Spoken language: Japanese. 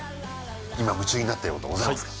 今夢中になってることございますか？